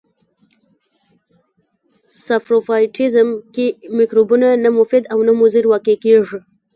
ساپروفایټیزم کې مکروبونه نه مفید او نه مضر واقع کیږي.